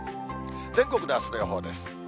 全国のあすの予報です。